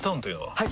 はい！